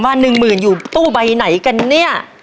หนึ่งหมื่นอยู่ตู้ใบไหนกันเนี่ย